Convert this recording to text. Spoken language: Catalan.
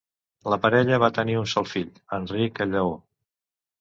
La parella va tenir un sol fill, Enric el Lleó.